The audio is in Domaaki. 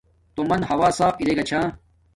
تومن ہوا صاف ارا گا چھا